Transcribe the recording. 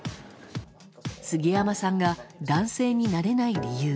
杉山さんが男性になれない理由。